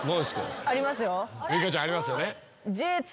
ウイカちゃんありますよね？